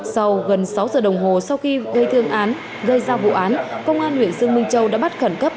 sau gần sáu giờ đồng hồ sau khi gây thương án gây ra vụ án công an huyện dương minh châu đã bắt khẩn cấp